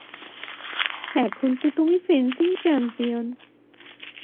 এখন তো তুমি ফেন্সিং চ্যাম্পিয়ন।